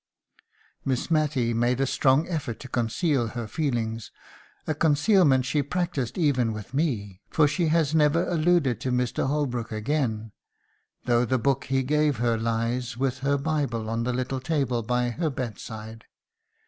"Miss Matty made a strong effort to conceal her feelings a concealment she practised even with me, for she has never alluded to Mr. Holbrook again, though the book he gave her lies with her Bible on the little table by her bedside.